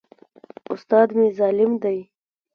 استاد مي ظالم دی.